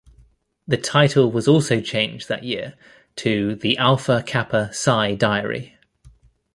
The title was also changed that year to "The Alpha Kappa Psi Diary".